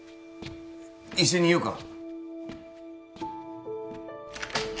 一緒にいようか？